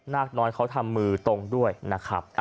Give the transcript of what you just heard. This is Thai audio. นากน้อยเขาทำมือตรงด้วยนะครับ